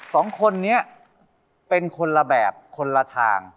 สองคนนี้เป็นคนละแบบคนละทาง